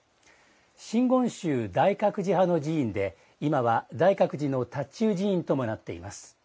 真言宗大覚寺派の寺院で今は大覚寺の塔頭寺院ともなっています。